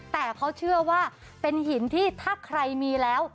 แต่เขาเชื่อว่าเป็นหินที่ถ้าใครมีแล้ว